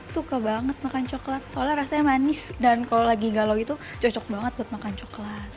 suka banget makan coklat soalnya rasanya manis dan kalau lagi galau itu cocok banget buat makan coklat